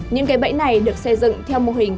những cây bẫy này được xây dựng theo mô hình